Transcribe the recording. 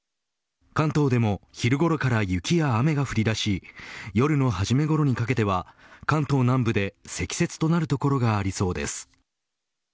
関東でも昼ごろから雪や雨が降り出し夜の初めごろにかけては関東南部で積雪となる所がありそうです。